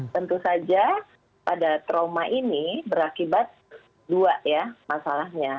tentu saja pada trauma ini berakibat dua ya masalahnya